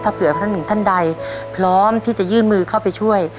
ถ้าเผื่อท่านหนึ่งท่านใดพร้อมที่จะยื่นมือเข้าไปช่วย